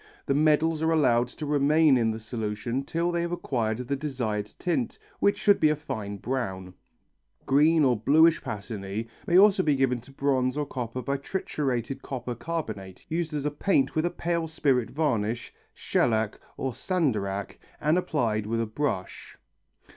The medals are allowed to remain in the solution till they have acquired the desired tint, which should be a fine brown. Green or bluish patinæ may also be given to bronze or copper by triturated copper carbonate used as a paint with a pale spirit varnish, shellac or sandarac, and applied with a brush.